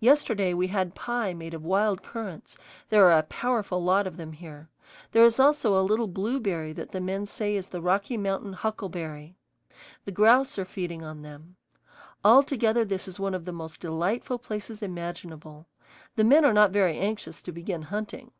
Yesterday we had pie made of wild currants; there are a powerful lot of them here. There is also a little blueberry that the men say is the Rocky Mountain huckleberry. The grouse are feeding on them. Altogether this is one of the most delightful places imaginable. The men are not very anxious to begin hunting.